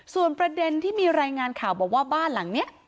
ส่วนประเด็นที่มีรายงานข่าวบอกว่าบ้านหลังนี้